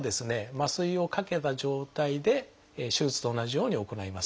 麻酔をかけた状態で手術と同じように行います。